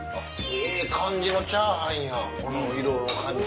ええ感じのチャーハンやこの色の感じ。